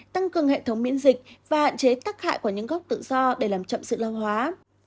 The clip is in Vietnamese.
tăng cường hệ thống miễn dịch và hạn chế tắc hại của những gốc tự do để làm chậm sự lo hóa